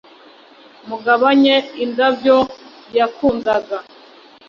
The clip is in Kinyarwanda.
mugabanye indabyo yakundaga